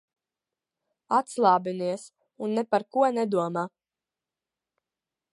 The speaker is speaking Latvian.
Atslābinies un ne par ko nedomā.